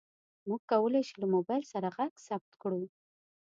موږ کولی شو له موبایل سره غږ ثبت کړو.